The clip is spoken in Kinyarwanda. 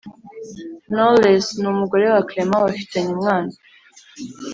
Knwoles numugore wa clement bafitanye umwana